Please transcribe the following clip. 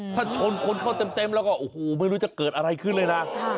ถ้าชนคนเข้าเต็มแล้วก็โอ้โหไม่รู้จะเกิดอะไรขึ้นเลยนะ